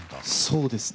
そうですね。